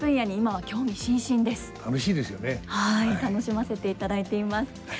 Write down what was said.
はい楽しませていただいています。